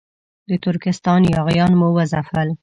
د ترکستان یاغیان مو وځپل.